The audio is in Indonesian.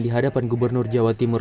di hadapan gubernur jawa timur